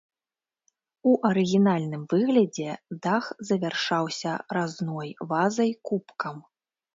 У арыгінальным выглядзе дах завяршаўся разной вазай-кубкам.